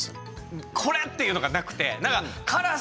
これっていうのがなくて。